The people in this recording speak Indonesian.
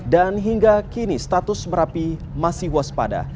dan hingga kini status merapi masih waspada